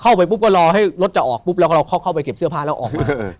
เข้าไปปุ๊บก็รอให้รถจะออกปุ๊บแล้วก็เราเข้าไปเก็บเสื้อผ้าแล้วออกไป